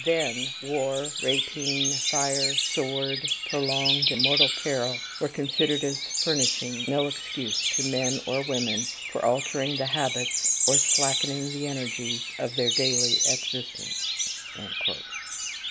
Then, war, rapine, fire, sword, prolonged and mortal peril, were considered as furnishing no excuse to men or women for altering the habits, or slackening the energies, of their daily existence."